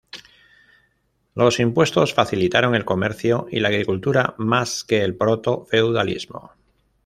Los impuestos facilitaron el comercio y la agricultura más que el proto-feudalismo.